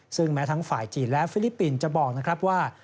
ซึ่งแม้ทั้งฝ่ายจีนและฟิลิปปินส์จะบอกนะครับว่า